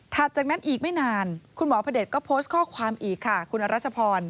จากนั้นอีกไม่นานคุณหมอพระเด็จก็โพสต์ข้อความอีกค่ะคุณอรัชพร